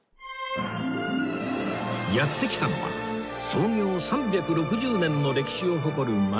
やって来たのは創業３６０年の歴史を誇る